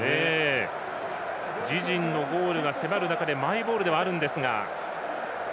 自陣のゴールが迫る中でマイボールではあるんですが。